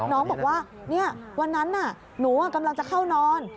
น้องบอกว่าวันนั้นน่ะหนูกำลังจะเข้านอน